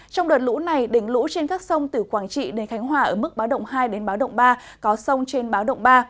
trong đợt lũ này đỉnh lũ trên các sông từ quảng trị đến khánh hòa ở mức báo động hai đến báo động ba có sông trên báo động ba